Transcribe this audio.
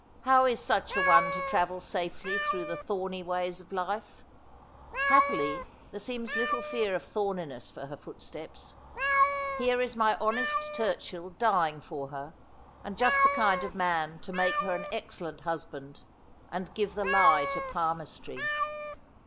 How is such an one to travel safely through the thorny ways of life ? Happily there seems little fear of thorniness for her footsteps. Here is my honest TurchiU dying for her — and just the kind of man to make her an excel lent husband, and give the lie to palmistry.